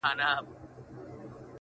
ما په لفظو کي بند پر بند ونغاړه_